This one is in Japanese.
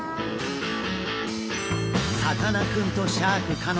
さかなクンとシャーク香音さん